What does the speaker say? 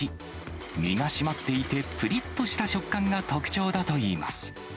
身が締まっていて、ぷりっとした食感が特徴だといいます。